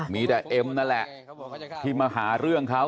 มีแต่เอ็มนั่นแหละที่มาหาเรื่องเขา